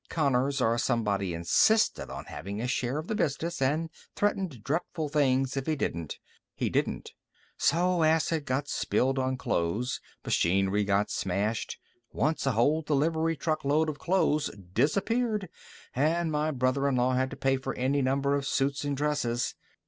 Connors or somebody insisted on having a share of the business and threatened dreadful things if he didn't. He didn't. So acid got spilled on clothes. Machinery got smashed. Once a whole delivery truck load of clothes disappeared and my brother in law had to pay for any number of suits and dresses.